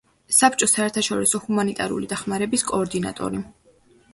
საბჭოს საერთაშორისო ჰუმანიტარული დახმარების კოორდინატორი.